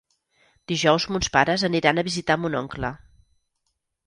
Dijous mons pares aniran a visitar mon oncle.